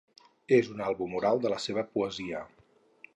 És un àlbum oral de la seva poesia.